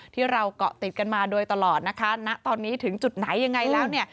ที่เราเกาะติดกันมาโดยตลอดนะคะณตอนนี้ถึงจุดไหนยังไงแล้วเนี่ย